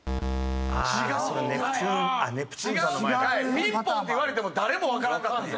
ピンポンって言われても誰もわからんかったですよ。